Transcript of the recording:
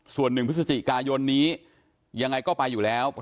ส่วนหนึ่งพฤศจิกายนในยังไงก็ไปอยู่แล้ว